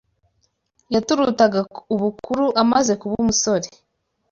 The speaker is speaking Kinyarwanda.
Yaturutaga ubukuru amaze kuba umusore